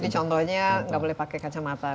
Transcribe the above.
ini contohnya nggak boleh pakai kacamata